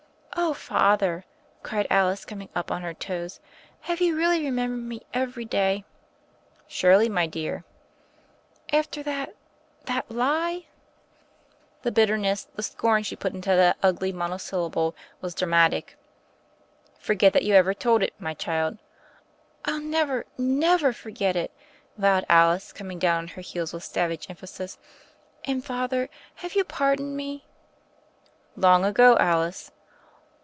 "Oh, Father," cried Alice coming up on her toes, "have you really remembered me every day?" "Surely, my dear." "After that — that lUJ' The bitterness, the 72 THE FAIRY OF THE SNOWS scorn she put into that ugly monosyllable was dramatic. Forget that you ever told it, my child.*' "I'll never, never forget it," vowed Alice, coming down on her heels with savage emphasis. "And, Father, have you pardoned me?" "Long ago, Alice."